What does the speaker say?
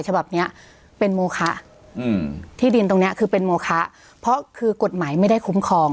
ฉบับเนี้ยเป็นโมคะอืมที่ดินตรงเนี้ยคือเป็นโมคะเพราะคือกฎหมายไม่ได้คุ้มครอง